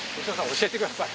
教えてください。